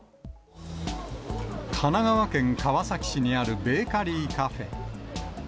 神奈川県川崎市にあるベーカリーカフェ。